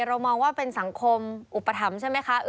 เรามองว่าเป็นสังคมอุปถัมภ์ใช่ไหมคะ